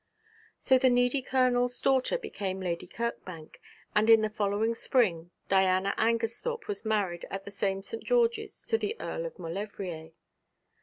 So the needy Colonel's daughter became Lady Kirkbank, and in the following spring Diana Angersthorpe was married at the same St. George's to the Earl of Maulevrier.